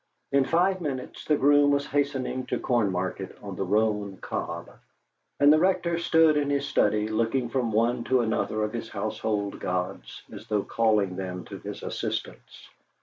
In five minutes the groom was hastening to Cornmarket on the roan cob, and the Rector stood in his study, looking from one to another of his household gods, as though calling them to his assistance.